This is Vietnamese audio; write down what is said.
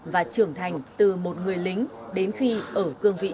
và trưởng thành từ một người lính đến khi ở cương vị